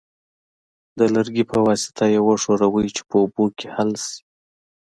د لرګي په واسطه یې وښورئ چې په اوبو کې حل شي.